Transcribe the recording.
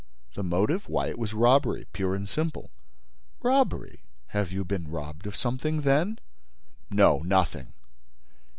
"The motive? Why, it was robbery pure and simple." "Robbery? Have you been robbed of something, then?" "No, nothing."